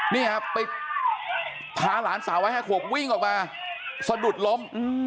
นี่ครับไปพาหลานสาวไว้๕ขวบวิ่งออกมาสะดุดล้ม